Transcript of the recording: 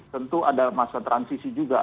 tentu ada masa transisi juga